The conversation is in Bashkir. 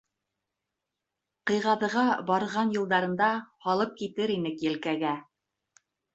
Ҡыйғаҙыға барған юлдарында Һалып китер инек елкәгә.